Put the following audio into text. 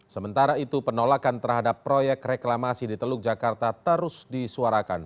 sementara itu penolakan terhadap proyek reklamasi di teluk jakarta terus disuarakan